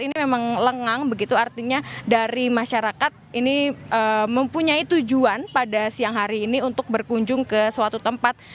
ini memang lengang begitu artinya dari masyarakat ini mempunyai tujuan pada siang hari ini untuk berkunjung ke suatu tempat